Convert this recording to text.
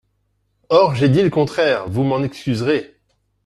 Or j’ai dit le contraire, vous m’en excuserez.